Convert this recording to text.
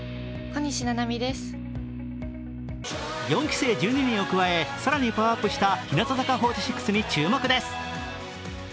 ４期生１２人を加え、更にパワーアップした日向坂４６に注目です。